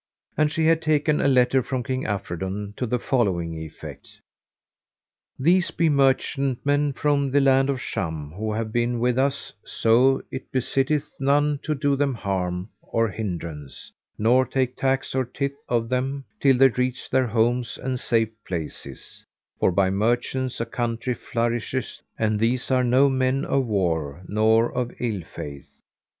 And she had taken a letter from King Afridun to the following effect: "These be merchantmen from the land of Sham who have been with us: so it besitteth none to do them harm or hindrance, nor take tax and tithe of them, till they reach their homes and safe places, for by merchants a country flourisheth, and these are no men of war nor of ill faith."